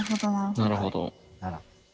なるほど。